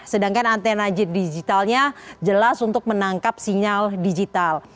sedangkan antena digitalnya jelas untuk menangkap sinyal digital